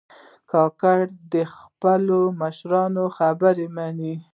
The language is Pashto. کاکړ د خپلو مشرانو خبرې منې.